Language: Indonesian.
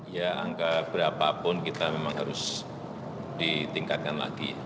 ya angka berapapun kita memang harus ditingkatkan lagi